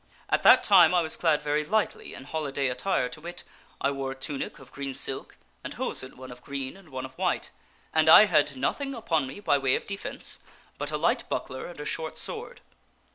At that time I was clad very lightly in holiday attire, to wit : I wore a tunic of green silk, and hosen one of green and one of white. And I had nothing upon me by way of defence but a light buckler and a short sword.